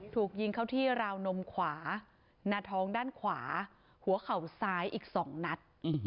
ถูกยิงเข้าที่ราวนมขวาหน้าท้องด้านขวาหัวเข่าซ้ายอีก๒นัด